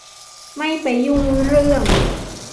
ไม่ไปยุ่งเรื่อง